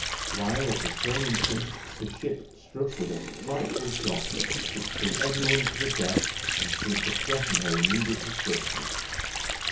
while at the same instant the ship struck with a frightful shock, which threw everyone to the deck, and seemed to threaten her immediate destruction.